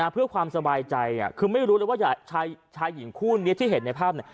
เพื่อความสบายใจคือไม่รู้เลยว่าชายหญิงคู่นี้ที่เห็นในภาพเนี่ย